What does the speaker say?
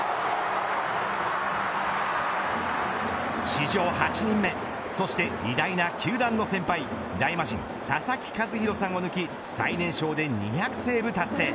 史上８人目そして偉大な球団の先輩大魔人、佐々木主浩さんを抜き最年少で２００セーブを達成。